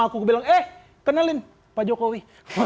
aku bilang eh kenalin pak jokowi